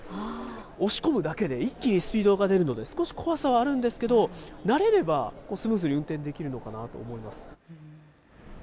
押し込むだけで一気にスピードが出るので、少し怖さはあるんですけど、慣れればスムーズに運転できるのかなと思います。